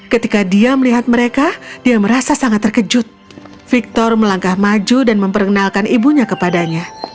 ketika dia melihat mereka dia merasa sangat terkejut victor melangkah maju dan memperkenalkan ibunya kepadanya